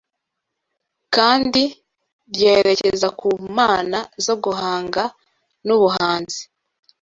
kandi ryerekeza ku mana zo guhanga nubuhanzi